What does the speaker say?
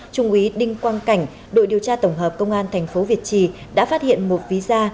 trung úy đinh quang cảnh đội điều tra tổng hợp công an thành phố việt trì đã phát hiện một ví da